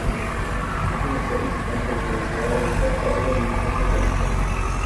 Fue profesor visitante en universidades de São Paulo, Minnesota y California.